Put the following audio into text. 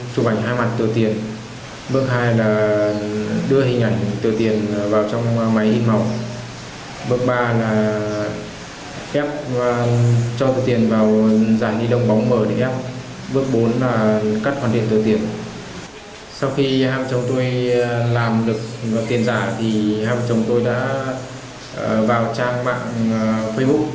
sau khi hai vợ chồng tôi làm được tiền giả thì hai vợ chồng tôi đã vào trang mạng facebook